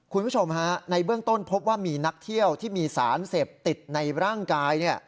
คุณผู้ชมฮะในเบื้องต้นพบว่ามีนักเที่ยวที่มีสารเสพติดในร่างกาย